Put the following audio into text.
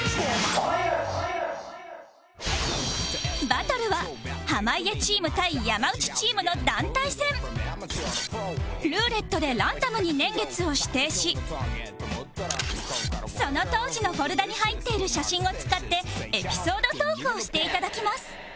バトルは濱家チーム対山内チームの団体戦ルーレットでランダムに年月を指定しその当時のフォルダに入っている写真を使ってエピソードトークをしていただきます